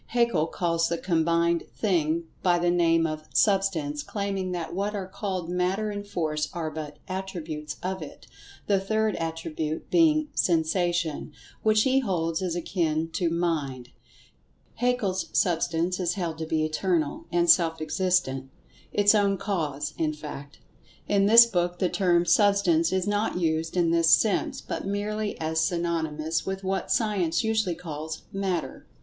Haeckel calls this combined "thing" by the name of "Substance," claiming that what are called Matter and Force are but "attributes" of it, the third "attribute" being "Sensation," which he holds is akin to Mind—"Haeckel's Substance" is held to be Eternal, and Self existent—its own Cause, in fact. (In this book the term "Substance" is not used in this sense, but merely as synonymous with what Science usually calls "Matter.")